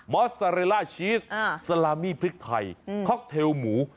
อสซาเรล่าชีสลามี่พริกไทยค็อกเทลหมู